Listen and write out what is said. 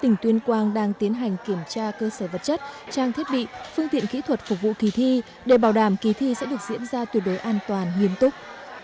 tỉnh tuyên quang đang tiến hành kiểm tra cơ sở vật chất trang thiết bị phương tiện kỹ thuật phục vụ kỳ thi để bảo đảm kỳ thi sẽ được diễn ra tuyệt đối an toàn nghiêm túc